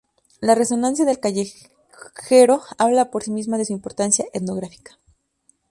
La resonancia del callejero habla por sí misma de su importancia etnográfica.